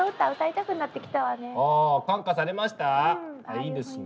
いいですね。